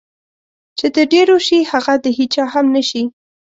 چې د ډېرو شي هغه د هېچا هم نشي.